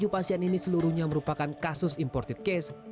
pasien yang merupakan kasus imported case